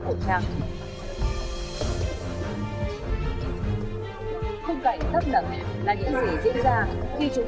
khung cảnh thấp nặng là những gì diễn ra